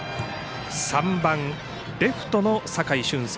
３番、レフトの酒井駿輔。